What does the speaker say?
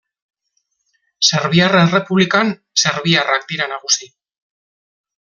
Serbiar Errepublikan serbiarrak dira nagusi.